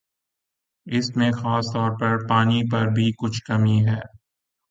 اس میں خاص طور پر پانی پر بھی کچھ کمی ہے